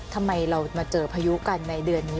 ทำไมเรามาเจอพายุกันในเดือนนี้